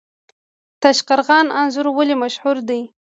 تاشقرغان انځر ولې مشهور دي؟